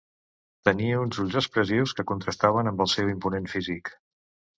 Tenia uns ulls expressius que contrastaven amb el seu imponent físic.